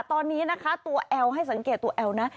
ตอนนี้นะคะตัวแอลให้สังเกตตัวแอลนะ